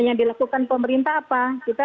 yang dilakukan pemerintah apa